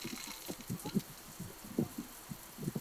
好不惬意